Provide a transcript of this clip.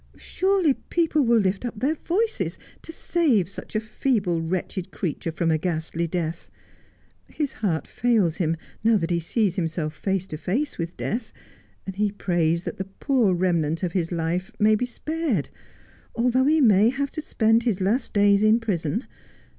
Surely people will lift up their voices to save such a feeble, wretched creature from a ghastly death. His heart fails him now that he sees himself face to face with death, and he prays that the poor remnant of his life may be spared, although he may have to spend his last days in prison.